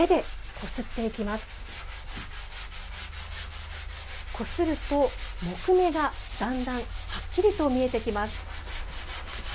こすると木目がだんだんはっきりと見えてきます。